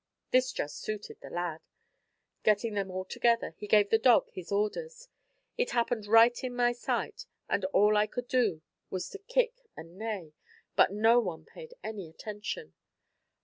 This just suited the lad. Getting them all together, he gave the dog his orders. It happened right in my sight, and all I could do was to kick and neigh, but no one paid any attention.